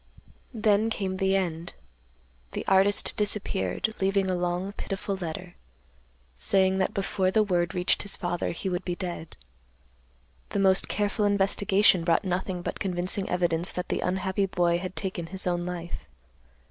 "Then came the end. The artist disappeared, leaving a long, pitiful letter, saying that before the word reached his father, he would be dead. The most careful investigation brought nothing but convincing evidence that the unhappy boy had taken his own life.